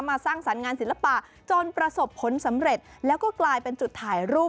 สร้างสรรค์งานศิลปะจนประสบผลสำเร็จแล้วก็กลายเป็นจุดถ่ายรูป